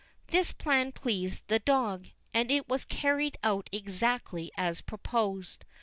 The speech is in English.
This plan pleased the dog, and it was carried out exactly as proposed.